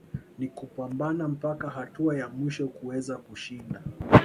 ni kupambana mpaka hatua ya mwisho kuweza kushinda